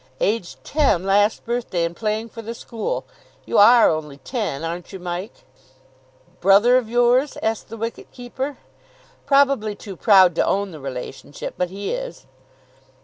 "Aged ten last birthday, and playing for the school. You are only ten, aren't you, Mike?" "Brother of yours?" asked the wicket keeper. "Probably too proud to own the relationship, but he is."